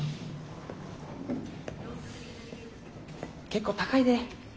結構高いで。